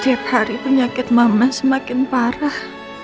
setiap hari penyakit mama semakin parah